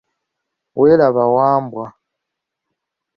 Weeraba Wambwa.